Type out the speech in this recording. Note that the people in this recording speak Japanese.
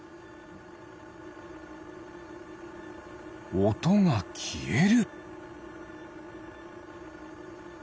おとがきえる。